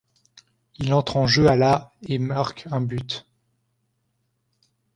Il entre en jeu à la et marque un but.